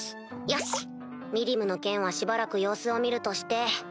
よしミリムの件はしばらく様子を見るとして。